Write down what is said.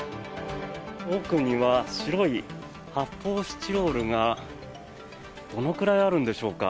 奥には白い発泡スチロールがどのくらいあるんでしょうか。